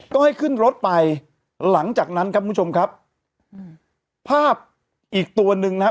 ก็ให้ขึ้นรถไปหลังจากนั้นครับคุณผู้ชมครับภาพอีกตัวหนึ่งนะครับ